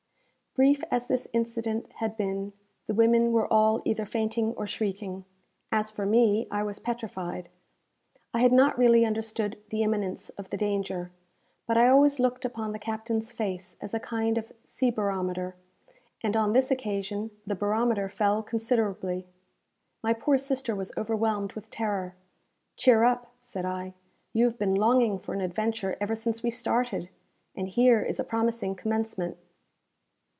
Brief as this incident had been, the women were all either fainting or shrieking. As for me, I was petrified. I had not really understood the imminence of the danger; but I always looked upon the captain's face as a kind of sea barometer, and, on this occasion, the barometer fell considerably. My poor sister was overwhelmed with terror. "Cheer up," said I. "You have been longing for an adventure ever since we started, and here is a promising commencement!"